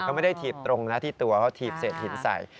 เขาไม่ได้ถีบตรงนะที่ตัวเขาถีบเศษหินใส่